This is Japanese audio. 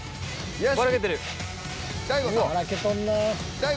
よし！